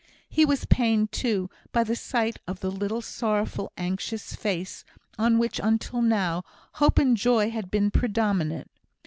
He was pained, too, by the sight of the little sorrowful, anxious face, on which, until now, hope and joy had been predominant.